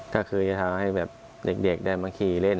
ก็คือจะทำให้แบบเด็กได้มาขี่เล่น